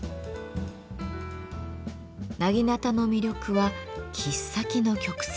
薙刀の魅力は切っ先の曲線。